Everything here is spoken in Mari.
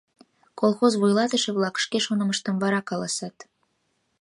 Колхоз вуйлатыше-влак шке шонымыштым вара каласат.